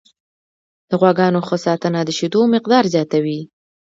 د غواګانو ښه ساتنه د شیدو مقدار زیاتوي.